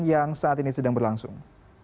yang saat ini sedang berlangsung